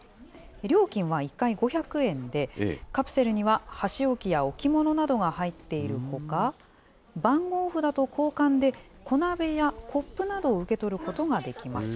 料金は１回５００円で、カプセルには箸置きや置物などが入っているほか、番号札と交換で小鍋やコップなどを受け取ることができます。